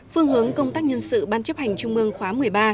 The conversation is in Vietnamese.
phương hướng công tác nhân sự ban chấp hành trung ương khóa một mươi ba